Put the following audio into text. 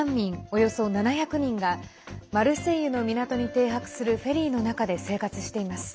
およそ７００人がマルセイユの港に停泊するフェリーの中で生活しています。